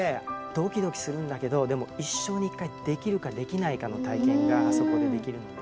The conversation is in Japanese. ドキドキするんだけどでも一生に一回できるかできないかの体験があそこでできるのね。